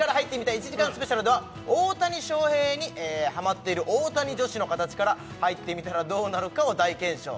１時間スペシャルでは大谷翔平にハマっている大谷女子の形から入ってみたらどうなるかを大検証